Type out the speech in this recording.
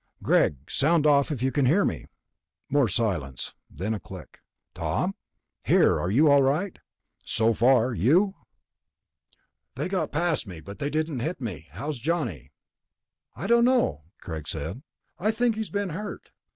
"Greg! Sound off if you can hear me." More silence. Then a click. "Tom?" "Here. Are you all right?" "So far. You?" "They got past me, but they didn't hit me. How's Johnny?" "I don't know," Greg said. "I think he's been hurt.